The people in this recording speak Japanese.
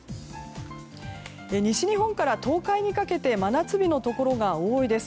西日本から東海にかけて真夏日のところが多いです。